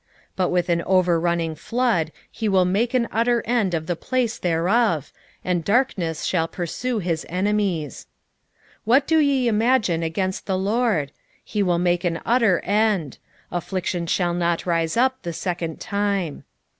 1:8 But with an overrunning flood he will make an utter end of the place thereof, and darkness shall pursue his enemies. 1:9 What do ye imagine against the LORD? he will make an utter end: affliction shall not rise up the second time.